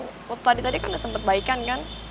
waktu tadi tadi kan udah sempet baikan kan